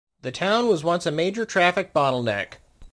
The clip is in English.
The town was once a major traffic bottleneck.